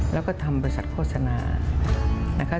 แล้วก็ทำบริษัทโฆษณานะคะ